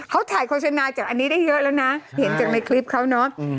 เขาถ่ายโฆษณาจากอันนี้ได้เยอะแล้วนะเห็นจากในคลิปเขาเนอะ